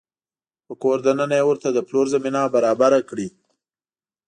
په کور دننه يې ورته د پلور زمینه برابره کړې